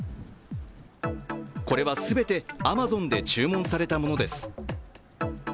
これは全てアマゾンで注文されたものです。